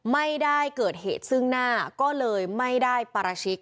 ไม่ได้เกิดเหตุซึ่งหน้าก็เลยไม่ได้ปราชิก